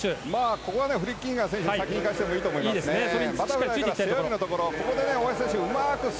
ここはフリッキンガー選手に先に行かせてもいいと思います。